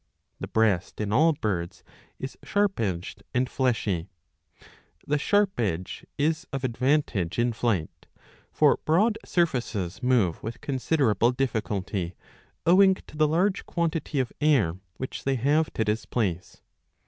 The breast in all birds is sharp edged, and fleshy.^3 p^e sharp edge is of advantage in flight ; for broad surfaces move with considerable difficulty, owing to the large quantity of air which they have to displace.